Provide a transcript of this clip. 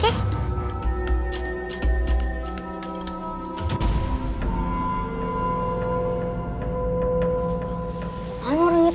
hai orang itu tidak ngerti banget ya